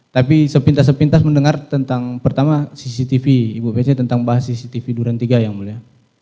tapi sepintas sepintas mendengar tentang pertama cctv ibu pece tentang bahas cctv duren tiga yang mulia